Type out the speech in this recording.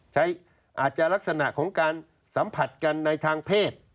อาจจะลักษณะของการสัมผัสกันในทางเพศ